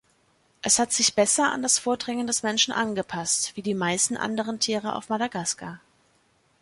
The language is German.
Es hat sich besser an das Vordringen des Menschen angepasst wie die meisten anderen Tiere auf Madagascar.